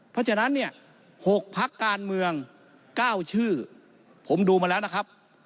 เพราะฉะนั้นเนี่ย๖พักการเมือง๙ชื่อผมดูมาแล้วนะครับ